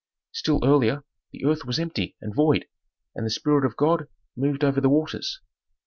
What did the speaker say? "Still earlier the earth was empty and void, and the spirit of God moved over the waters."